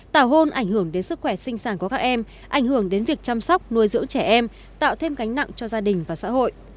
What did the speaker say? tảo hôn ảnh hưởng đến sức khỏe sinh sản của các em ảnh hưởng đến việc chăm sóc nuôi dưỡng trẻ em tạo thêm gánh nặng cho gia đình và xã hội